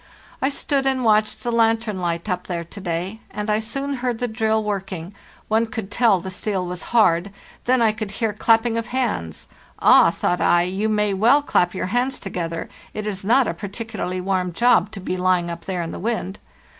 I stood and watched the lantern light up there to day, and I soon heard the drill work CoD ing; one could tell the steel was hard; then I could hear clapping of hands. 'Ah, thought I,' you may well clap your hands together; it is not a particularly warm job to be lying up there in the wind.